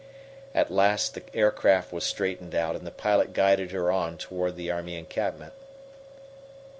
At last the aircraft was straightened out and the pilot guided her on toward the army encampment.